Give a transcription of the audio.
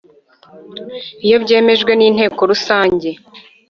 iyo byemejwe n intekorusange